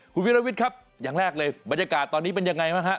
คุณวิรวิทย์ครับอย่างแรกเลยบรรยากาศตอนนี้เป็นยังไงบ้างฮะ